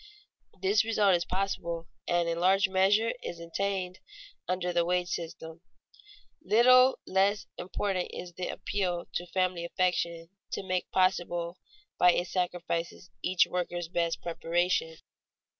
This result is possible and in large measure is attained under the wage system. Little less important is the appeal to family affection to make possible by its sacrifices each worker's best preparation.